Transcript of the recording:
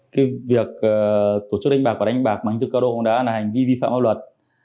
cái việc tổ chức đánh bạc và đánh bạc mà anh thư cao đô đã hành vi vi phạm áp luật